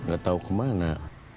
gak tau kemana